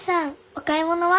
お買い物は？